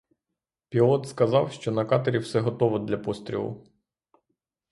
Пілот сказав, що на катері все готово для пострілу.